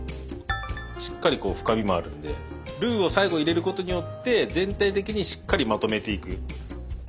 しっかりこう深みもあるんでルーを最後入れることによって全体的にしっかりまとめていく。